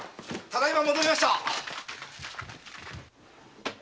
ただいま戻りました。